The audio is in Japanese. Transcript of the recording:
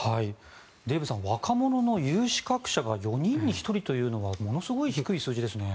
デーブさん若者の有資格者が４人に１人というのはものすごい低い数字ですね。